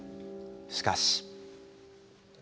しかし。